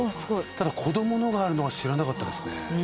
ただ子どものがあるのは知らなかったですね。